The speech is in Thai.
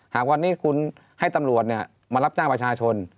หากวันนี้คุณให้ตำรวจมารับจ้างประชาชน